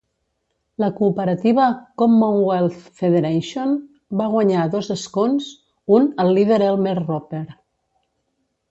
La cooperativa Commonwealth Federation va guanyar dos escons, un el líder Elmer Roper.